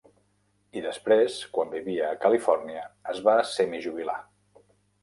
i després, quan vivia a Califòrnia, es va semijubilar.